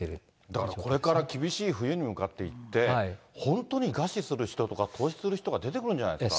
だからこれから厳しい冬に向かっていって、本当に餓死する人とか、凍死する人が出てくるんじゃないですか。